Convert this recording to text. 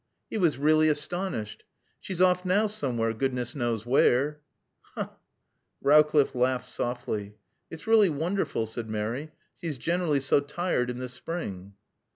He was really astonished. "She's off now somewhere, goodness knows where." "Ha!" Rowcliffe laughed softly. "It's really wonderful," said Mary. "She's generally so tired in the spring."